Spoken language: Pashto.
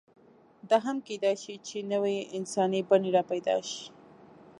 دا هم کېدی شي، چې نوې انساني بڼې راپیدا شي.